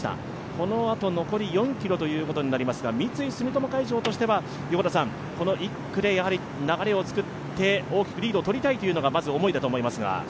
このあと、残り４ｋｍということになりますが三井住友海上としてはこの１区で流れを作って、大きくリードをとりたいというのが、まず思いだと思いますが。